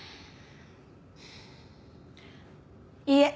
いいえ。